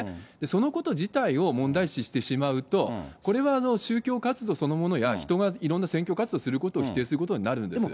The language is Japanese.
そのこと自体を問題視してしまうと、これは宗教活動そのものや、人がいろんな選挙活動することを否定することになるんです。